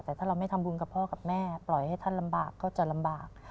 แต่ถ้าเราไม่ทำบุญกับพ่อกับแม่ปล่อยให้ท่านลำบากก็จะลำบาก